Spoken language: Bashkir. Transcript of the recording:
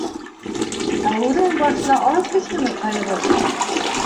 Ә үҙенең башына аҙ төштөмө ҡайғы?